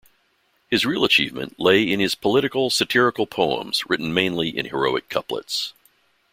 His real achievement lay in his political, satirical poems, written mainly in heroic couplets.